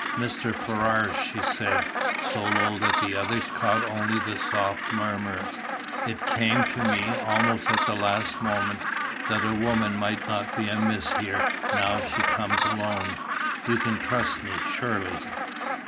"Mr. Ferrars," she said, so low that the others caught only the soft murmur, "It came to me, almost at the last moment, that a woman might not be amiss here now if she comes alone. You can trust me, surely?"